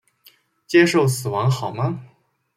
接受死亡好吗？